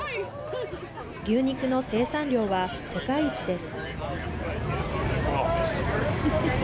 牛肉の生産量は世界一です。